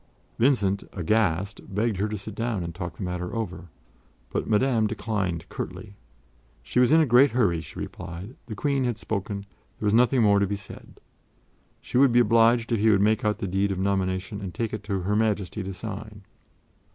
Vincent, aghast, begged her to sit down and talk the matter over, but Madame declined curtly. She was in a great hurry, she replied; the Queen had spoken; there was nothing more to be said. She would be obliged if he would make out the deed of nomination and take it to Her Majesty to sign.